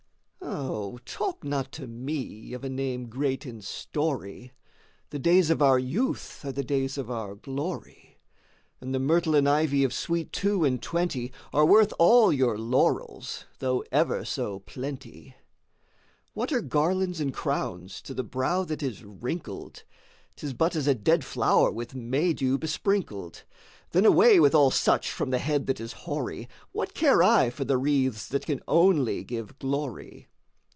Oh, talk not to me of a name great in story— The days of our Youth are the days of our glory; And the myrtle and ivy of sweet two and twenty Are worth all your laurels, though ever so plenty. 2. What are garlands and crowns to the brow that is wrinkled? Tis but as a dead flower with May dew besprinkled: Then away with all such from the head that is hoary, What care I for the wreaths that can only give glory?